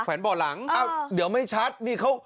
แวนบ่อหลังอ้าวเดี๋ยวไม่ชัดนี่เขา